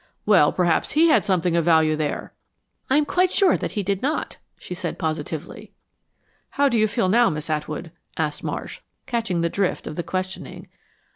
"Well, perhaps he had something of value there." "I'm quite sure he did not," she said, positively. "How do you feel now, Miss Atwood?" asked Marsh, catching the drift of the questioning.